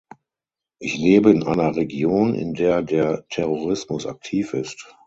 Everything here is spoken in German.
Ich lebe in einer Region, in der der Terrorismus aktiv ist.